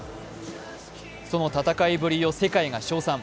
その戦いぶりを世界が称賛。